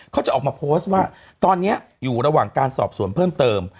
เขาจะออกมาโพสต์ว่าตอนนี้อยู่ระหว่างการสอบสวนเพิ่มเติม